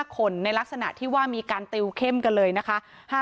๕คนในลักษณะที่ว่ามีการติวเข้มกันเลยนะคะ